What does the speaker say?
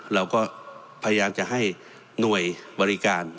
เราก็พยายามจะให้หน่วยบริการ